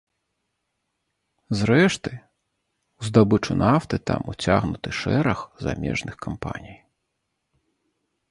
Зрэшты, у здабычу нафты там уцягнуты шэраг замежных кампаній.